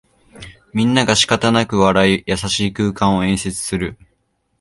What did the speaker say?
みんながしかたなく笑い、優しい空間を演出する